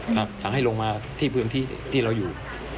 อยากให้ลงมาที่พื้นที่เราอยู่